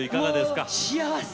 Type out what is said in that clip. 幸せ！